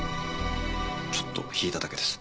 ちょっと弾いただけです。